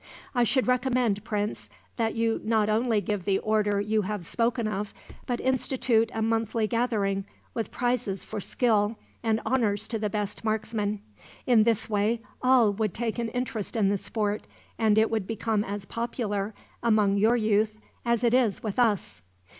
"I should recommend, Prince, that you not only give the order you have spoken of, but institute a monthly gathering, with prizes for skill, and honors to the best marksmen. In this way all would take an interest in the sport, and it would become as popular, among your youth, as it is with us."